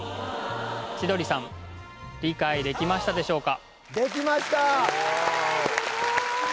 千鳥さん理解できましたでしょうか？